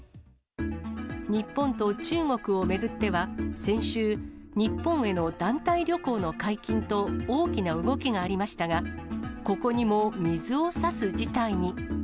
日本と中国を巡っては、先週、日本への団体旅行の解禁と、大きな動きがありましたが、ここにも水をさす事態に。